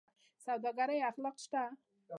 د سوداګرۍ اخلاق شته؟